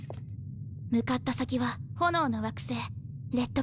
向かった先は炎の惑星レッドケイブ。